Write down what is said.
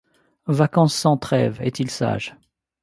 Vacances sans trêve ! Est-il sage